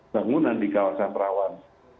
bangunan di kawasan perawan